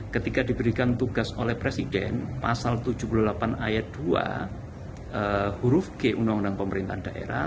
ketika diberikan tugas oleh presiden pasal tujuh puluh delapan ayat dua huruf g undang undang pemerintahan daerah